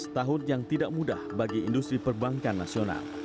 dua belas tahun yang tidak mudah bagi industri perbankan nasional